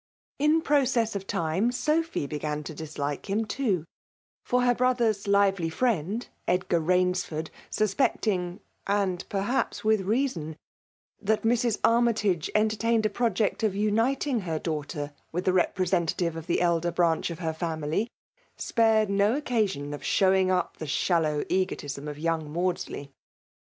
In process of time, Sophy began to disli&e him too; for her brother's lively fiiend, £dgar Baiusford, suspecting^ and per haps with reason, that Mrs. Armytage enter* tained a project of uniting her daughter with the representative of the elder branch of her fiwrily, spared no occasion of showing up the shallow egotism ofjxmng Maudsley.